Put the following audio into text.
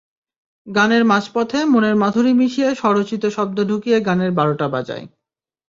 গানের মাঝপথে মনের মাধুরী মিশিয়ে স্বরচিত শব্দ ঢুকিয়ে গানের বারোটা বাজায়।